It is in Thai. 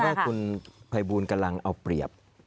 ว่าคุณภัยบูลกำลังเอาเปรียบ